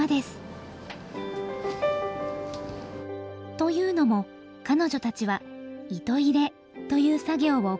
というのも彼女たちは糸入れという作業を行う専門の職人。